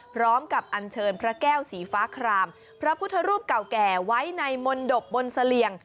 พร้อมกับอัญเชิญพระแก้วสีฟ้าครามพระพุทธรูปเก่าแก่ไว้ในมนตบบนเสลี่ยง